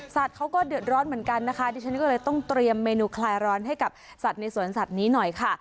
เขาก็เดือดร้อนเหมือนกันนะคะดิฉันก็เลยต้องเตรียมเมนูคลายร้อนให้กับสัตว์ในสวนสัตว์นี้หน่อยค่ะ